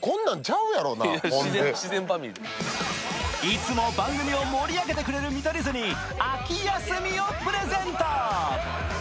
いつも番組を盛り上げてくれる見取り図に秋休みをプレゼント。